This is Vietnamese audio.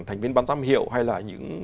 thành viên ban giám hiệu hay là những